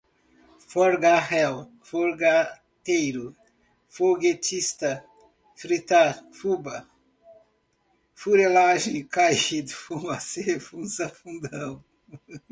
fogaréu, fogueteiro, foguetista, fritar, fubá, fuleragem, caído, fumacê, funça, fundão